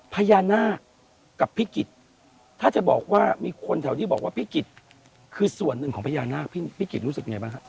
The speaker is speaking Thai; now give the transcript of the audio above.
พญานาคกับพี่กิจถ้าจะบอกว่ามีคนแถวที่บอกว่าพี่กิจคือส่วนหนึ่งของพญานาคพี่กิจรู้สึกยังไงบ้างฮะ